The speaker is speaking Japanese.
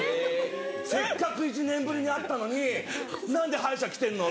せっかく１年ぶりに会ったのに何で歯医者来てんの？